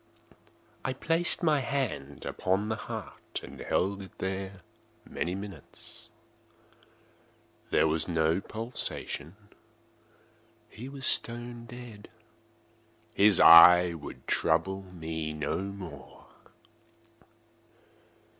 I placed my hand upon the heart and held it there many minutes. There was no pulsation. He was stone dead. His eye would trouble me no more.